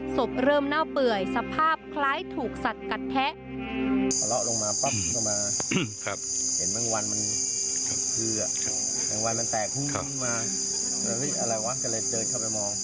ศพเริ่มเน่าเปื่อยสภาพคล้ายถูกสัตว์กัดแทะ